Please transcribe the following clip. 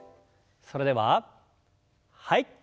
それでははい。